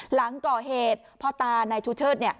หลังก่อเหตุพ่อตานายชูเชิด